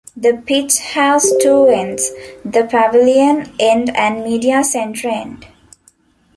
The pitch has two ends, the Pavilion End and Media Centre End.